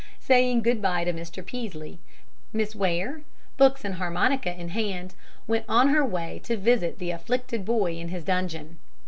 Saying good by to Mr. Peaslee, Miss Ware, books and harmonica in hand, went on her way to visit the afflicted boy in his dungeon.